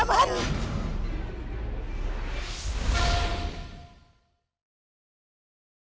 โปรดติดตามตอนต่อไป